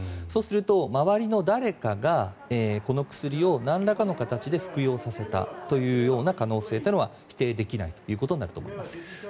そうすると、周りの誰かがこの薬をなんらかの形で服用させたというような可能性は否定できないということになると思います。